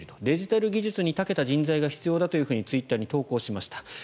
デジタル技術に長けた人材が必要だというふうにツイッターに投稿しました。